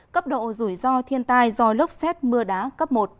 cấp độ rủi ro thiên tai do lốc xét mưa đá cấp một